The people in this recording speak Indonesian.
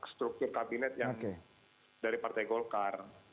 struktur kabinet yang dari partai golkar